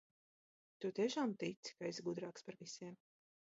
Tu tiešām tici, ka esi gudrāks par visiem.